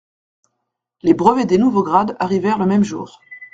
Les brevets des nouveaux grades arrivèrent le même jour.